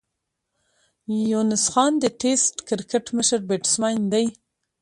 یونس خان د ټېسټ کرکټ مشر بېټسمېن دئ.